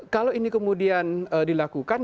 kalau ini kemudian dilakukan